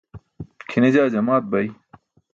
kʰine jaa jamaat bay